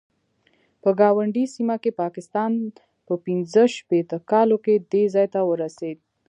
په ګاونډۍ سیمه کې پاکستان په پنځه شپېته کالو کې دې ځای ته ورسېد.